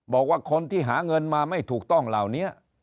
บอกว่าคนที่หาเงินมาไม่ถูกต้องเหล่านี้